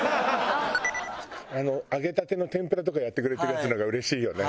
揚げたての天ぷらとかやってくれてるやつの方が嬉しいよね。